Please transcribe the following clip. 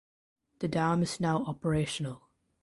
The dam is now operational.